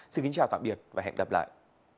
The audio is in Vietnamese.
xin kính chào tạm biệt và hẹn gặp lại